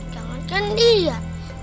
jangan kan lihat